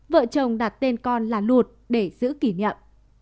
vợ chồng đặt tên con là lụt để giữ kỷ niệm